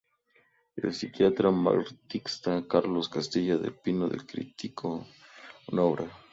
El psiquiatra marxista Carlos Castilla del Pino le criticó en alguna obra.